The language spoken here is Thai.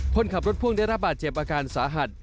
คนขับรถพ่วงได้รับบาดเจ็บอาการสาหัส